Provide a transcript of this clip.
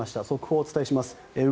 速報をお伝えします。